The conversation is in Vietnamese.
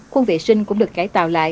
khu vệ sinh cũng được cải tạo lại